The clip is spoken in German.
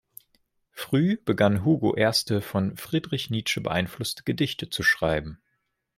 Früh begann Hugo erste, von Friedrich Nietzsche beeinflusste Gedichte zu schreiben.